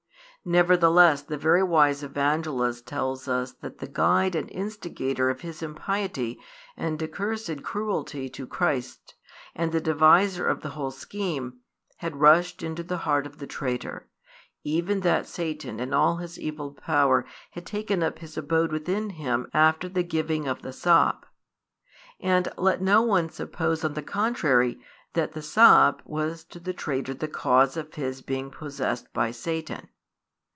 Nevertheless the very wise Evangelist tells us that the guide and instigator of his impiety and accursed cruelty to Christ, and the deviser of the whole scheme, had rushed into the heart of the traitor, even that Satan in all his evil power had taken up his abode within him after the giving of the sop. And let no one suppose on the contrary that the sop was to the traitor the cause of his being possessed by Satan.